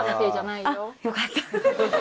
よかった。